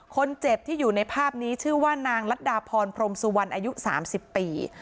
คนเจ็บที่อยู่ในภาพนี้ชื่อว่านางรัฐดาพรพรมสุวรรณอายุ๓๐ปี